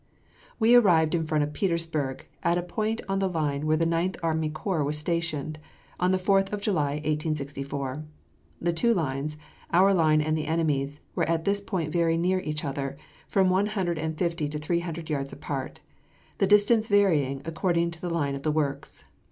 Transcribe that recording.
We arrived in front of Petersburg, at a point on the line where the Ninth Army Corps was stationed, on the Fourth of July, 1864. The two lines, our line and the enemy's, were at this point very near each other, from one hundred and fifty to three hundred yards apart, the distance varying according to the line of the works.